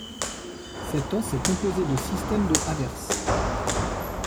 Cet os est composé de systèmes de Havers.